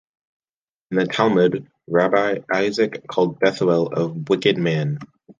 In the Talmud, Rabbi Isaac called Bethuel a wicked man.